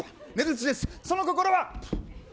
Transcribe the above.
その心は。